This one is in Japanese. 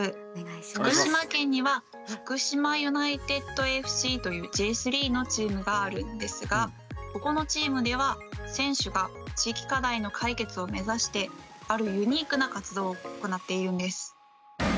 福島県には福島ユナイテッドＦＣというＪ３のチームがあるんですがここのチームでは選手が地域課題の解決を目指してあるユニークな活動を行っているんです。